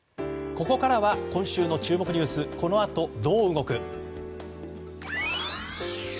ここからは今週の注目ニュースこの後どう動く？